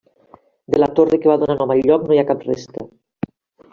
De la torre que va donar nom al lloc no hi ha cap resta.